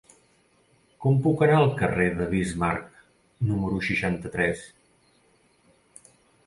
Com puc anar al carrer de Bismarck número seixanta-tres?